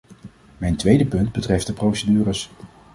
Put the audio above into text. Mijn tweede punt betreft de procedures.